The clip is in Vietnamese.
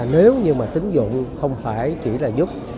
nếu như tính dụng không chỉ là giúp